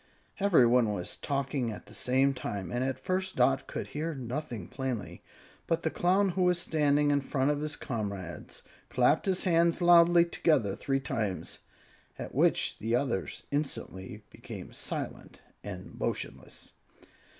Everyone was talking at the same time, and at first Dot could hear nothing plainly; but the Clown who was standing in front of his comrades clapped his hands loudly together three times, at which the others instantly became silent and motionless.